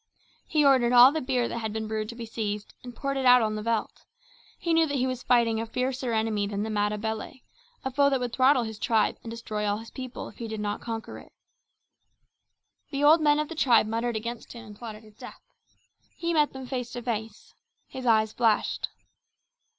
He ordered all the beer that had been brewed to be seized, and poured it out upon the veldt. He knew that he was fighting a fiercer enemy than the Matabele, a foe that would throttle his tribe and destroy all his people if he did not conquer it. The old men of the tribe muttered against him and plotted his death. He met them face to face. His eyes flashed.